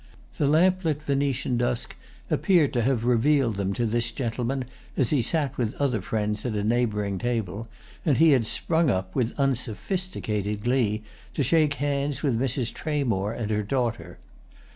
The lamplit Venetian dusk appeared to have revealed them to this gentleman as he sat with other friends at a neighbouring table, and he had sprung up, with unsophisticated glee, to shake hands with Mrs. Tramore and her daughter.